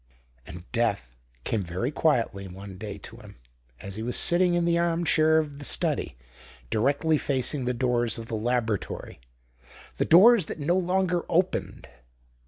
And death came very quietly one day to him, as he was sitting in the arm chair of the study, directly facing the doors of the laboratory the doors that no longer opened.